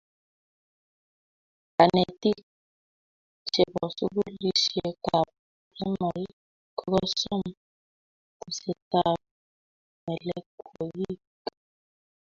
Kanetiik chebo sugulisyekab primary kokosoom teseetab melekwogiik.